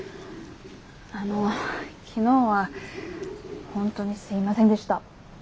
あの昨日は本当にすいませんでした。